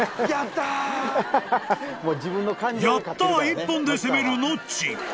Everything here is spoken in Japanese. ［「やったー」一本で攻めるノッチ］